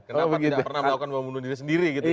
kenapa tidak pernah melakukan pembunuh diri sendiri gitu ya